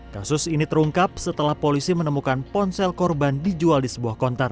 kasus ini terungkap setelah polisi menemukan ponsel korban dijual di sebuah konter